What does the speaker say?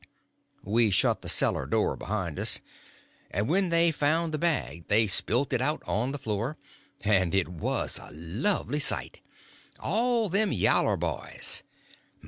We shut the cellar door behind us, and when they found the bag they spilt it out on the floor, and it was a lovely sight, all them yaller boys.